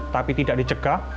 tapi tidak dijegah